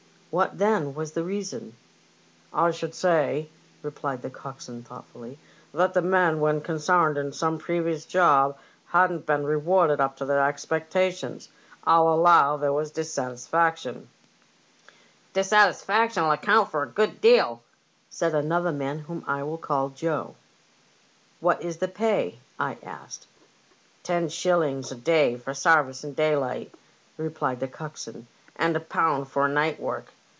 What, then, was the reason ?"" I should say," replied the coxswain, thoughtfully, "that the men when consarned in some previous job hadn't been rewarded up to their expectations. 1*11 allow there was dissatisfaction." " Dissatisfaction'll account for a good deal," said another man, whom I will call Joe. " What is the pay ?" I asked. " Ten shillings a day for sarvice in daylight," replied the coxswain, and a pound for night work."